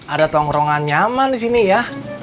ada tongkrongan nyaman di sini ya